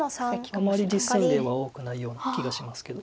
あまり実戦例は多くないような気がしますけど。